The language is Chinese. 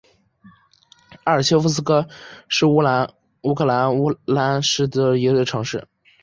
阿尔切夫斯克是乌克兰卢甘斯克州的一座城市。